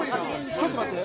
ちょっと待って。